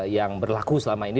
yang berlaku selama ini